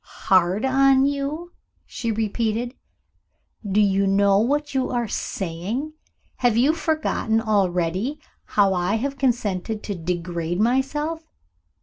"Hard on you?" she repeated. "Do you know what you are saying? Have you forgotten already how I have consented to degrade myself?